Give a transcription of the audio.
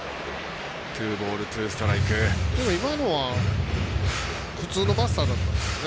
今のは普通のバスターだったんですかね。